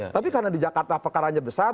tapi karena di jakarta pekaranya besar